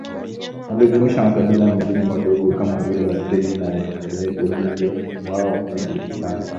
lililojumuisha makabila mengine madogo kama vile Wategi na WagireKwa hiyo basi wao hujulikana